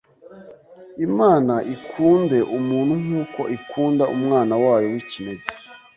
Imana ikunde umuntu nk’uko ikunda umwana wayo w’ikinege